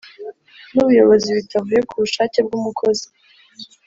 n’ubuyobozi bitavuye ku bushake bw’umukozi.